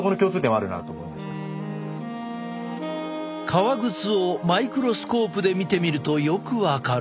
革靴をマイクロスコープで見てみるとよく分かる。